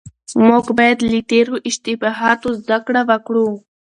موږ بايد له تېرو اشتباهاتو زده کړه وکړو.